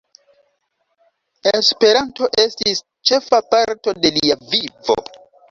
Esperanto estis ĉefa parto de lia vivo.